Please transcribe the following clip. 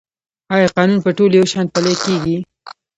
آیا قانون په ټولو یو شان پلی کیږي؟